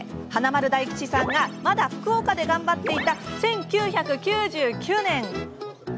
華丸・大吉さんがまだ福岡で頑張っていた１９９９年。